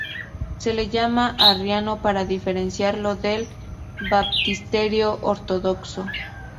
Se le llama arriano para diferenciarlo del "Baptisterio ortodoxo".